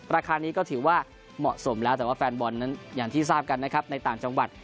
ราคานี้ก็ถือว่าเหมาะสมแล้วแต่ว่าแฟนบอลนั้นอย่างที่ทราบกันนะครับในต่างจังหวัด